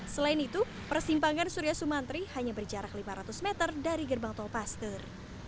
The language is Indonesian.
selain itu persimpangan surya sumantri hanya berjarak lima ratus meter dari gerbang tol paster